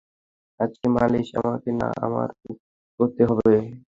আজকে মালিশ আমাকে না, আমার বউকে করতে হবে।